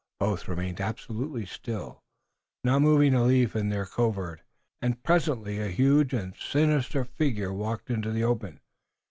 Both remained absolutely still, not moving a leaf in their covert, and presently a huge and sinister figure walked into the open.